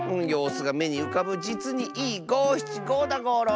すがめにうかぶじつにいいごしちごだゴロ。